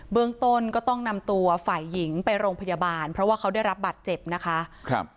เมืองต้นก็ต้องนำตัวฝ่ายหญิงไปโรงพยาบาลเพราะว่าเขาได้รับบัตรเจ็บนะคะครับ